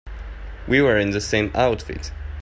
We were in the same outfit.